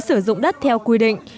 sử dụng đất theo quy định